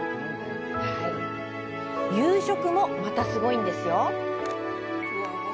夕食もまた、すごいんですよ。